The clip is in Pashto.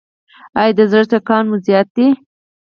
ایا د زړه ټکان مو زیات دی؟